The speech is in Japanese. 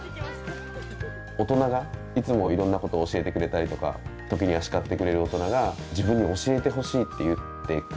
大人がいつもいろんなことを教えてくれたりとか時には叱ってくれる大人が自分に「教えてほしい」って言ってくれてる。